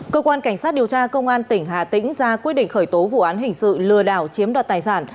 cơ quan cảnh sát điều tra công an tỉnh hà tĩnh ra quyết định khởi tố vụ án hình sự lừa đảo chiếm đoạt tài sản